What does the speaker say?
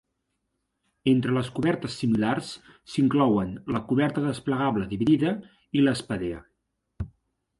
Entre les cobertes similars s"inclouen la "coberta desplegable dividida" i la "spadea".